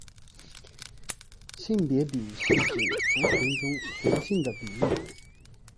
性别比是指族群中雄性的比率。